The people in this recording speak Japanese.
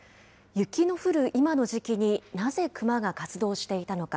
雪の降る今の時期になぜクマが活動していたのか。